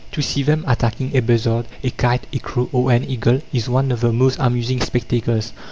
"To see them attacking a buzzard, a kite, a crow, or an eagle, is one of the most amusing spectacles.